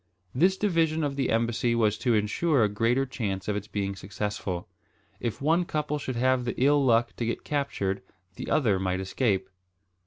This division of the embassy was to insure a greater chance of its being successful. If one couple should have the ill luck to get captured, the other might escape.